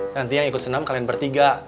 nanti yang ikut senam kalian bertiga